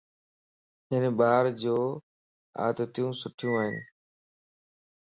ھن ٻارَ جو عادتيون سٺيون ائين